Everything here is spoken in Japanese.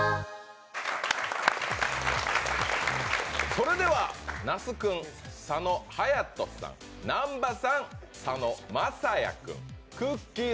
それでは佐野君、佐野勇斗さん、南波さん、佐野晶哉君、くっきー！